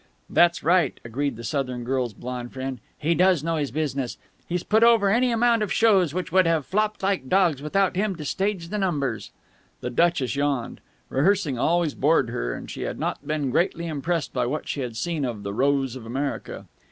"That's right," agreed the Southern girl's blonde friend. "He does know his business. He's put over any amount of shows which would have flopped like dogs without him to stage the numbers." The duchess yawned. Rehearsing always bored her, and she had not been greatly impressed by what she had seen of "The Rose of America."